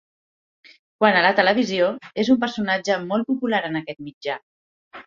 Quant a la televisió, és un personatge molt popular en aquest mitjà.